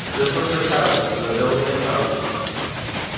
This was the catalyst for the building of houses.